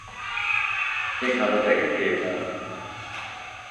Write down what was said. Ik ha dat ek in kear hân.